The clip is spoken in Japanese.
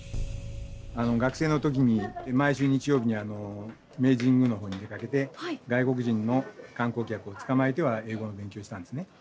学生のときに毎週日曜日に明治神宮のほうに出かけて外国人の観光客を捕まえては英語の勉強をしたんですね。